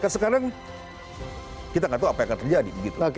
sekarang kita tidak tahu apa yang akan terjadi